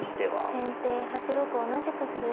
先手８六同じく歩。